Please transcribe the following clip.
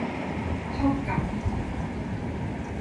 เท่ากับ